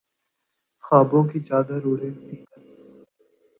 خوابوں کی چادر اوڑھے حقیقت